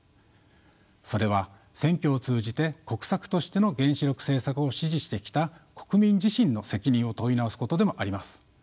それは選挙を通じて国策としての原子力政策を支持してきた国民自身の責任を問い直すことでもあります。